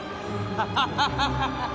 ハハハハハッ！